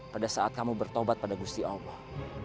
pada saat kamu bertobat pada gusti allah